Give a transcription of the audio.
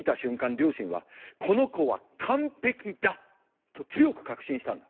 両親は「この子は完璧だ」と強く確信したんだ。